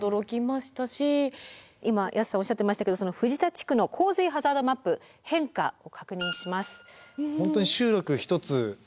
今安さんおっしゃってましたけどその藤田地区の洪水ハザードマップ変化を確認します。